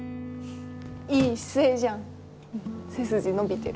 いい姿勢じゃん背筋伸びてる。